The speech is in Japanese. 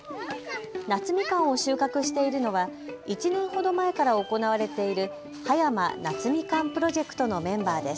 夏みかんを収穫しているのは１年ほど前から行われている葉山夏みかんプロジェクトのメンバーです。